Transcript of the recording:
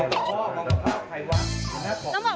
เป็นธรรมชาติน่ะ